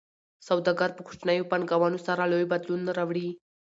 سوداګر په کوچنیو پانګونو سره لوی بدلون راوړي.